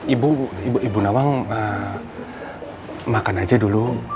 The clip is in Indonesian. ibu ibu nawang makan aja dulu